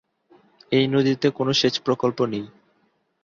এই নদীতে কোনো সেচ প্রকল্প নেই।